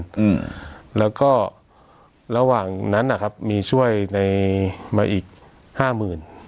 อืมแล้วก็ระหว่างนั้นอ่ะครับมีช่วยในมาอีกห้าหมื่น